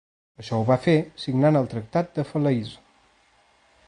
Això ho va fer signant el Tractat de Falaise.